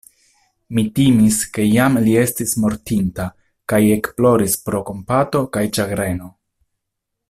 Mi timis, ke jam li estas mortinta kaj ekploris pro kompato kaj ĉagreno.